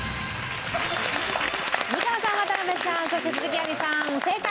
美川さん渡辺さんそして鈴木亜美さん正解。